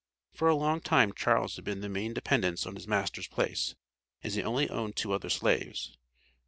For a long time Charles had been the main dependence on his master's place, as he only owned two other slaves.